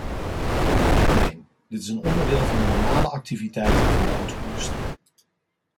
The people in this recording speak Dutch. Neen, dit is een onderdeel van de normale activiteiten van de auto-industrie.